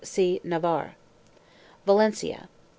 See NAVARRE. VALENCIA.